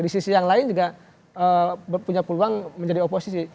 di sisi yang lain juga punya peluang menjadi oposisi